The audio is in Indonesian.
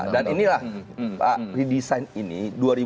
dan inilah pak redesign ini